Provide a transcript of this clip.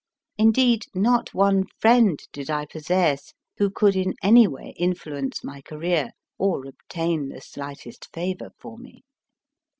Indeed, not one friend did I possess who could in any way influence my career, or obtain the slightest favour for me.